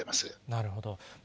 なるほど。